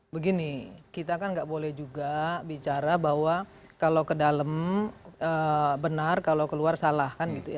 begini kita kan gak boleh juga bicara bahwa kalau ke dalam benar kalau keluar salah